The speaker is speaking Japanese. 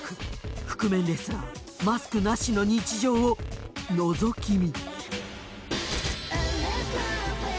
覆面レスラーマスクなしの日常をのぞき見。